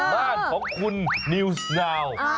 บ้านของคุณนิวไซด์